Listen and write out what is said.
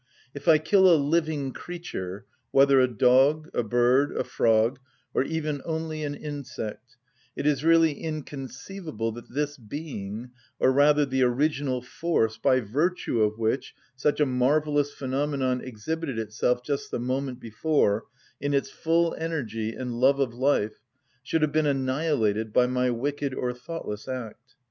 If I kill a living creature, whether a dog, a bird, a frog, or even only an insect, it is really inconceivable that this being, or rather the original force by virtue of which such a marvellous phenomenon exhibited itself just the moment before, in its full energy and love of life, should have been annihilated by my wicked or thoughtless act.